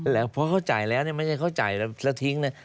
แล้วเพราะเขาจ่ายแล้วเนี่ยไม่ใช่เขาจ่ายแล้วทิ้งเนี่ย